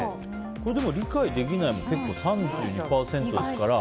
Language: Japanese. これ、理解できないも３２％ですから。